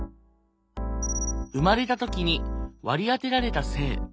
生まれた時に割り当てられた性。